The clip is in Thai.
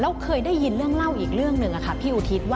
ครับแล้วเคยได้ยินเรื่องเล่าอีกเรื่องหนึ่งเพียงก็ท่านเคยเจอตัวนปาน